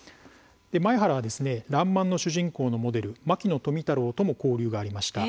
前原は「らんまん」の主人公のモデル牧野富太郎とも交流がありました。